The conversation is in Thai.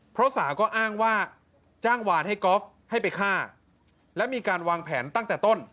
เพราะสาก็อ้างว่าจ้างวานให้กอล์ฟให้ไปฆ่าและมีการวางแผนตั้งแต่ต้น